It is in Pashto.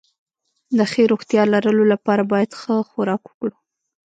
د ښې روغتيا لرلو لپاره بايد ښه خوراک وکړو